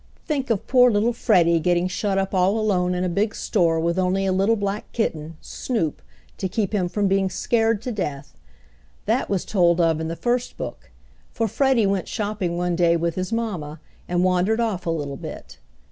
Think of poor little Freddie getting shut up all alone in a big store with only a little black kitten, "Snoop," to keep him from being scared to death; that was told of in the first book, for Freddie went shopping one day with his mamma, and wandered off a little bit.